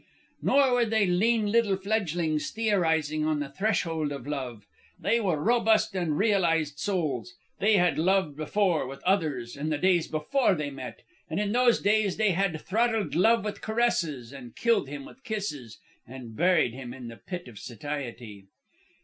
"Nor were they lean little fledglings theorizing on the threshold of Love. They were robust and realized souls. They had loved before, with others, in the days before they met; and in those days they had throttled Love with caresses, and killed him with kisses, and buried him in the pit of satiety.